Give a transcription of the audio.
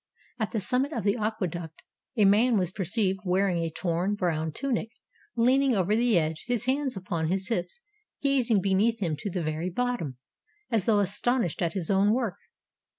At the summit of the aqueduct a man was perceived wearing a torn, brown tunic, leaning over the edge, his hands upon his hips, gazing beneath him to the very bottom, as though astonished at his own work.